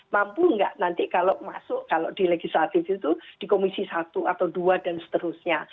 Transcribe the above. mampu nggak nanti kalau masuk kalau di legislatif itu di komisi satu atau dua dan seterusnya